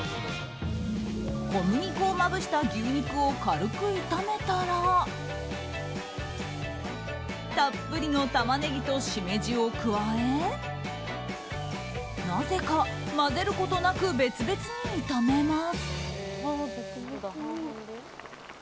小麦粉をまぶした牛肉を軽く炒めたらたっぷりのタマネギとシメジを加えなぜか混ぜることなく別々に炒めます。